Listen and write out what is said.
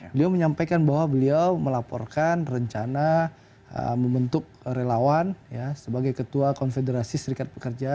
beliau menyampaikan bahwa beliau melaporkan rencana membentuk relawan sebagai ketua konfederasi serikat pekerja